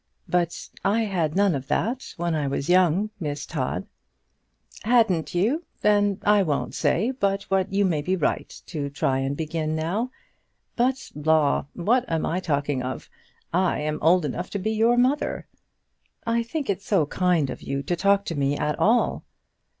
"But I had none of that when I was young, Miss Todd." "Hadn't you? Then I won't say but what you may be right to try and begin now. But, law! what am I talking of? I am old enough to be your mother." "I think it so kind of you to talk to me at all."